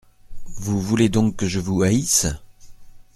Vous voulez donc que je vous haïsse ?